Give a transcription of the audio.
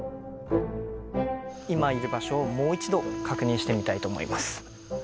今いる場所をもう一度確認してみたいと思います。